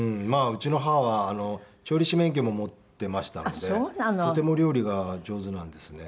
うちの母は調理師免許も持っていましたのでとても料理が上手なんですね。